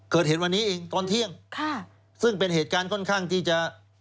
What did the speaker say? เกิดเหตุวันนี้เองตอนเที่ยงค่ะซึ่งเป็นเหตุการข้างก็จะ